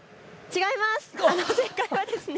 違います。